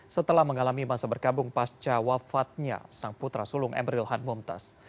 setelah mengalami masa berkabung pasca wafatnya sang putra sulung emril han mumtaz